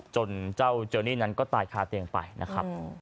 จนเจ้าเจอนี่นั้นก็ตายคาเตียงไปนะครับ